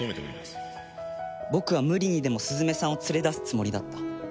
僕は無理にでもスズメさんを連れ出すつもりだった。